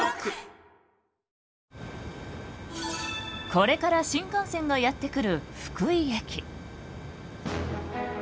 これから新幹線がやって来る福井駅。